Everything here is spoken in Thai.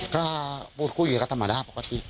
ก็พูดความคิดก็ธรรมดา